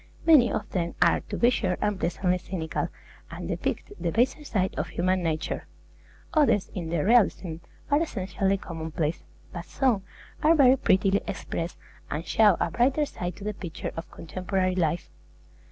Many of them are, to be sure, unpleasantly cynical, and depict the baser side of human nature; others, in their realism, are essentially commonplace; but some are very prettily expressed, and show a brighter side to the picture of contemporary life.